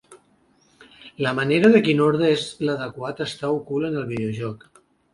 La manera de quin ordre és l'adequat està ocult en el videojoc.